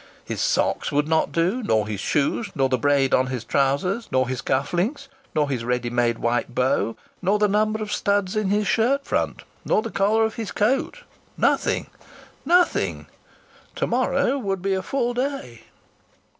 His socks would not do, nor his shoes, nor the braid on his trousers, nor his cuff links, nor his ready made white bow, nor the number of studs in his shirt front, nor the collar of his coat. Nothing! Nothing! To morrow would be a full day.